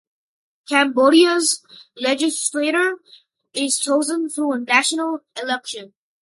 Cambodia's legislature is chosen through a national election.